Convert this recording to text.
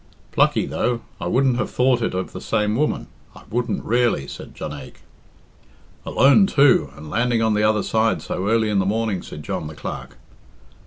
"Plucky, though I wouldn't have thought it of the same woman I wouldn't raelly," said Jonaique. "Alone, too, and landing on the other side so early in the morning," said John the Clerk.